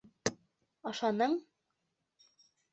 — Ашаның?